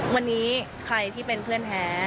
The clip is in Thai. วันนี้ใครที่เป็นเพื่อนแท้